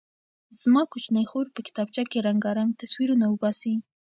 زما کوچنۍ خور په کتابچه کې رنګارنګ تصویرونه وباسي.